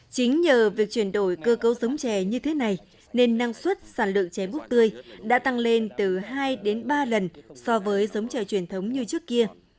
chính nhờ việc chuyển đổi cơ cấu giống trẻ như thế này nên năng suất sản lượng trẻ bút tươi đã tăng lên từ hai đến ba lần so với giống trẻ truyền thống như trước kia